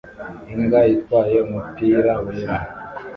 Imbwa itwaye umupira wera